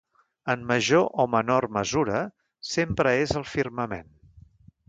En major o menor mesura, sempre és al firmament.